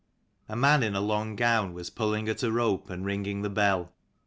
A man in a long gown was pulling at a rope and ringing the bell.